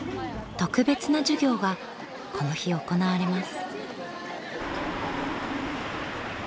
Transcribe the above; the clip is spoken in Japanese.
特別な授業がこの日行われます。